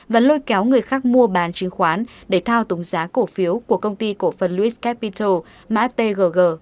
và lôi kéo người khác mua bán chứng khoán để thao tổng giá cổ phiếu của công ty cổ phân lewis capital